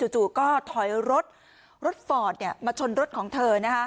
จู่ก็ถอยรถรถฟอร์ทเนี่ยมาชนรถของเธอนะคะ